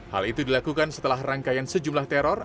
hal itu dilakukan setelah rangkaian sejumlah teror